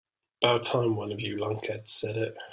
About time one of you lunkheads said it.